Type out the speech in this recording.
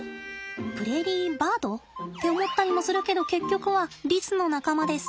プレーリーバード？って思ったりもするけど結局はリスの仲間です。